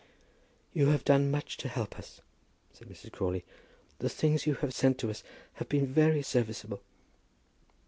"You have done much to help us," said Mrs. Crawley. "The things you have sent to us have been very serviceable."